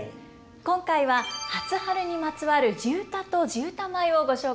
今回は初春にまつわる地唄と地唄舞をご紹介いたします。